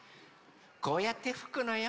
こうやってふくのよ。